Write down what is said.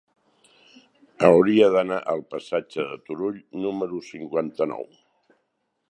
Hauria d'anar al passatge de Turull número cinquanta-nou.